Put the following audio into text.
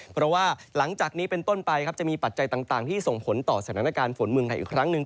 เพราะว่าหลังจากนี้เป็นต้นไปครับจะมีปัจจัยต่างที่ส่งผลต่อสถานการณ์ฝนเมืองไทยอีกครั้งหนึ่ง